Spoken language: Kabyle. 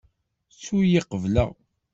Ttu-yi qebleɣ.